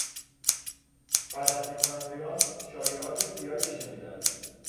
بررسی کنندگان، شایعات زیادی شنیدند.